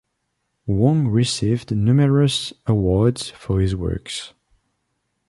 Wong received numerous awards for his works.